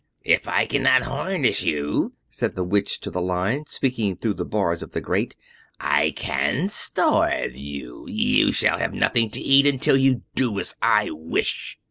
"If I cannot harness you," said the Witch to the Lion, speaking through the bars of the gate, "I can starve you. You shall have nothing to eat until you do as I wish."